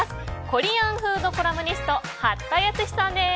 コリアン・フード・コラムニスト八田靖史さんです。